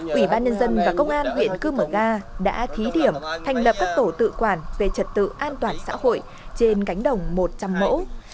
quỹ ban nhân dân và công an huyện cư mở ga đã thí điểm thành lập các tổ tự quản về trật tự an toàn xã hội trên cánh đồng một trăm linh mẫu